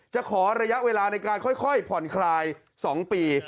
จะขอระยะเวลาในการค่อยผ่อนคลาย๒ปี